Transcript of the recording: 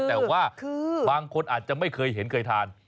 แต่ว่าบางคนอาจจะไม่เคยเห็นเคยทาน